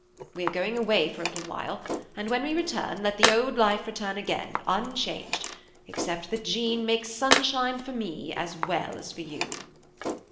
We are going away for a little while, and when we return, let the old life return again, unchanged, except that Jean makes sunshine for me as well as for you."